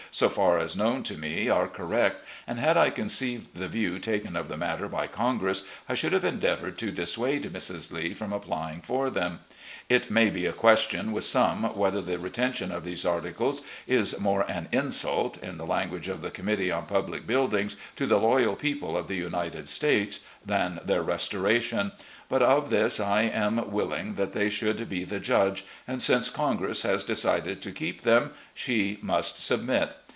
so far as known to me, are correct, and had I conceived the view taken of the matter by Congress I should have endeavoured to dis suade Mrs. Lee from applying for them. It may be a question with some whether the retention of these articles is more 'an insult,' in the language of the Committee on Public Buildings, 'to the loyal people of the United States,' than their restoration; but of this I am willing that they should be the judge, and since Congress has decided to keep them, she must submit.